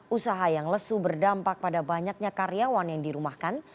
usaha yang lesu berdampak pada banyaknya karyawan yang dirumahkan